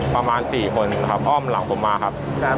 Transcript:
ประมาณ๔คนครับอ้อมหลังผมมาครับ